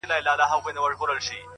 زما هغه معاش هغه زړه کیسه ده،